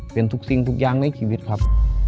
เป็นทุกสิ่งทุกอย่างในชีวิตครับ